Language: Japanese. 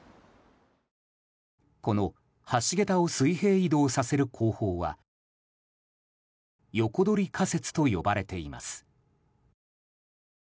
この橋桁を水平移動させる工法は横取り架設と呼ばれています。